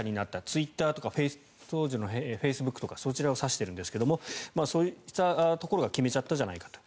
ツイッターとか当時のフェイスブックとかそちらを指しているんですがそうしたところが決めちゃったじゃないかと。